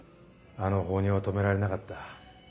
あの放尿は止められなかった。